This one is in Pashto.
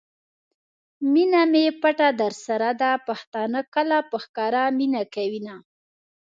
مینه می پټه درسره ده ؛ پښتانه کله په ښکاره مینه کوینه